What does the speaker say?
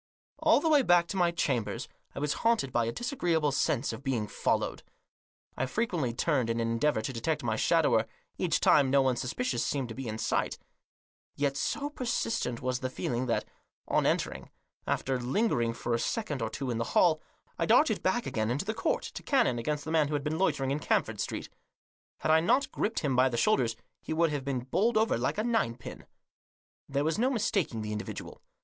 All the way back to my chambers I was haunted by a disagreeable sense of being followed. I frequently turned in an endeavour to detect my shadower; each time no one suspicious seemed to be in sight. Yet, so persistent was the feeling that, on entering, after lingering for a second or two in the hall, I darted back again into the court ; to cannon against the man who had been loitering in Camford Street. Had I not Digitized by COUNSEL'S OPINION. 165 gripped him by the shoulders he would have been bowled over like a ninepin. There was no mistaking the individual.